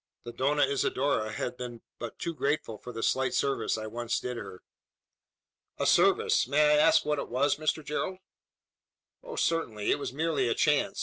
The Dona Isidora has been but too grateful for the slight service I once did her." "A service! May I ask what it was, Mr Gerald?" "Oh, certainly. It was merely a chance.